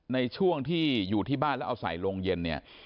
ในช่วงที่อยู่ที่บ้านแล้วเอาใส่โรงเย็นเนี่ย